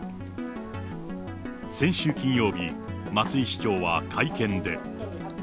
先週金曜日、松井市長は会見で。